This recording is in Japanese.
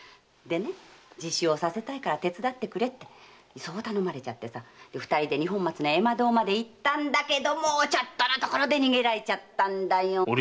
でね自首をさせたいから手伝ってくれって頼まれてさ二人で二本松の絵馬堂まで行ったんだけどもうちょっとのところで逃げられちゃったんだよ！